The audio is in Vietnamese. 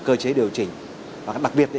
cơ chế điều chỉnh và đặc biệt